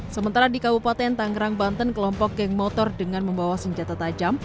sementara di kabupaten tangerang banten kelompok geng motor dengan membawa senjata tajam